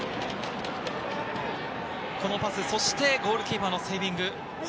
このパス、そしてゴールキーパーのセービング。